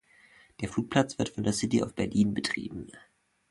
Der Flugplatz wird von der City of Berlin betrieben.